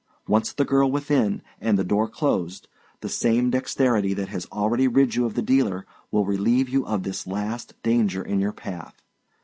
Once the girl within, and the door closed, the same dexterity that has already rid you of the dealer will relieve you of this last danger in your path.